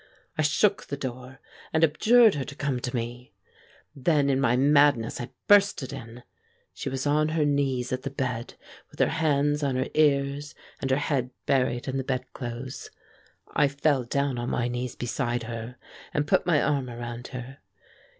I shook the door, and abjured her to come to me. Then in my madness I burst it in. She was on her knees at the bed, with her hands on her ears, and her head buried in the bedclothes. I fell down on my knees beside her, and put my arm around her.